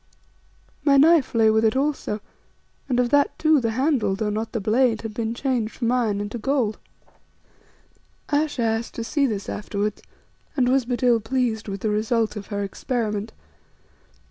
My knife lay with it also, and of that too the handle, though not the blade, had been changed from iron into gold. Ayesha asked to see this afterwards and was but ill pleased with the result of her experiment.